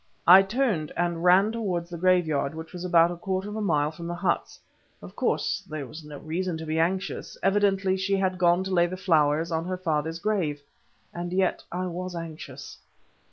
I turned and ran towards the graveyard, which was about a quarter of a mile from the huts. Of course there was no reason to be anxious—evidently she had gone to lay the flowers on her father's grave. And yet I was anxious.